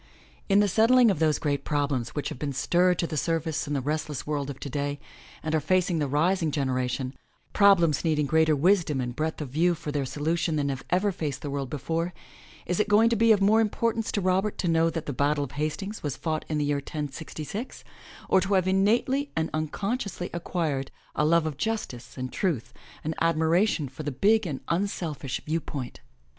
In the settling of those great problems which have been stirred to the surface in the restless world of today and are facing the rising generation, problems needing greater wisdom and breadth of view for their solution than have ever faced the world before, is it going to be of more importance to Robert to know that the Battle of Hastings was fought in the year 1066 or to have innately and uncon sciously acquired a love of justice and truth, an admiration for the big and unselfish view point?